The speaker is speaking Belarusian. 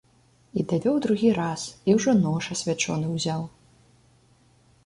І давёў другі раз, і ўжо нож асвячоны ўзяў.